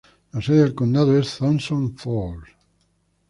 La sede del condado es Thompson Falls.